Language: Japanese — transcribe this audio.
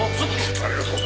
ありがとう。